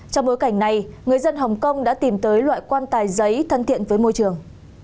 trong bối cảnh này người dân hồng kông đã tìm tới loại quan tài giấy thân thiện với môi trường